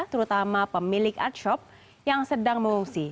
terutama pemilik art shop yang sedang mengungsi